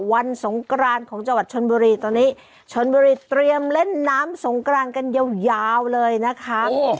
สงกรานของจังหวัดชนบุรีตอนนี้ชนบุรีเตรียมเล่นน้ำสงกรานกันยาวเลยนะคะ